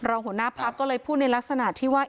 รองหัวหน้าพักก็เลยพูดในลักษณะที่ว่า